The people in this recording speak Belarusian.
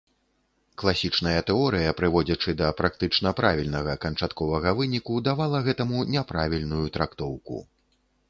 Класічная тэорыя, прыводзячы да практычна правільнага канчатковага выніку, давала гэтаму няправільную трактоўку.